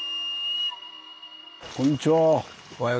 こんにちは。